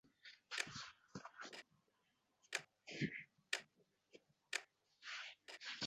— Rangingiz dokaday oqarib ketibdi? Yana-tag‘in, duduqlanyapsiz?